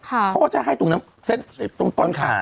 เพราะว่าจะให้ตรงน้ำเส้นตรงต้นขา